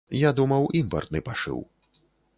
Я думаў, імпартны пашыў.